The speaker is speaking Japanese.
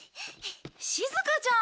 しずかちゃん。